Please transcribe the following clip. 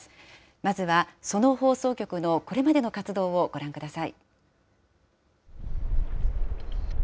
まずは、その放送局のこれまでの活動をご覧ください。